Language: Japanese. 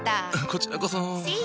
こちらこそ。